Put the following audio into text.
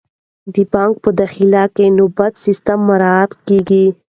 د بانک په داخل کې د نوبت سیستم مراعات کیږي.